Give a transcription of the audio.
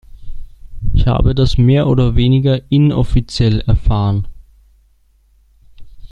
Ich habe das mehr oder weniger inoffiziell erfahren.